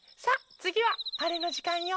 つぎはあれのじかんよ！